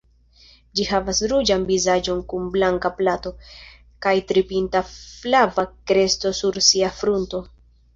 Ĝi havas ruĝan vizaĝon kun blanka plato, kaj tri-pinta flava kresto sur sia frunto.